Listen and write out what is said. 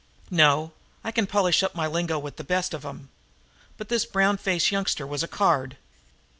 "No, I can polish up my lingo with the best of 'em. But this brown faced youngster was a card.